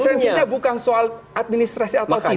esensinya bukan soal administrasi atau tidak